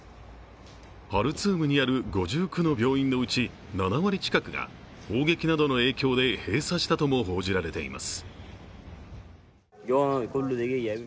ハルツームにある５９の病院のうち７割近くが砲撃などの影響で閉鎖したとも報じられています。